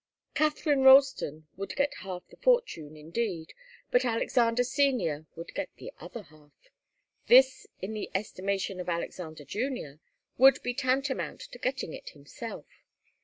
Katharine Ralston would get half the fortune, indeed, but Alexander Senior would get the other half. This, in the estimation of Alexander Junior, would be tantamount to getting it himself.